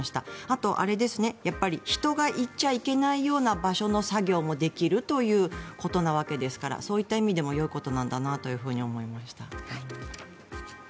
あと、人が行っちゃいけないような場所の作業もできるわけですからそういった意味でもよいことなんだなと思いました。